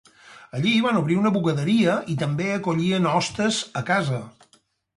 Allí van obrir una bugaderia i també acollien hostes a casa.